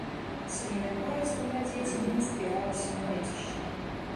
Сямейная пара з двума дзецьмі збіралася на лецішча.